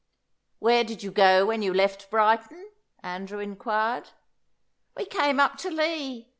"Where did you go when you left Brighton?" Andrew inquired. "We came up to Lee.